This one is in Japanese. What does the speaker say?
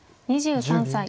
２３歳。